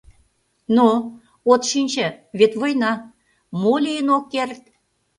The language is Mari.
Но, от шинче, вет война, мо лийын ок керт...